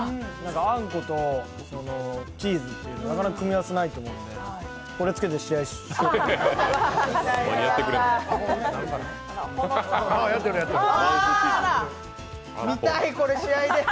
あんことチーズというのは、なかなか組み合わせないと思うので、これ着けて試合してみます。